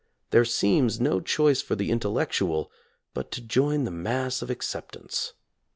There seems no choice for the intellectual but to join the mass of accept ance.